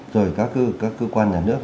rồi các cơ quan nhà nước